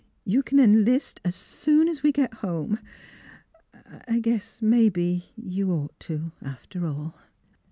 You can enlist as soon as we get home. ... I guess maybe you'd ought to, after all."